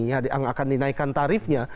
yang akan dinaikkan tarifnya